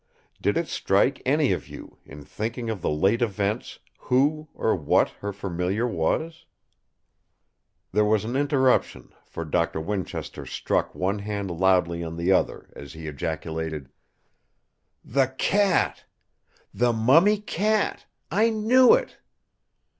Did it strike any of you, in thinking of the late events, who or what her Familiar was?" There was an interruption, for Doctor Winchester struck one hand loudly on the other as he ejaculated: "The cat! The mummy cat! I knew it!"